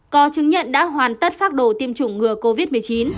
có chứng nhận đã hoàn tất phác đồ tiêm chủng ngừa covid một mươi chín